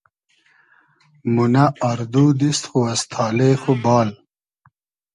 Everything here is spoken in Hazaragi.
مونۂ آر دو دیست خو از تالې خو بال